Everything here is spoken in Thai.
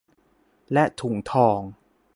และถุงทอง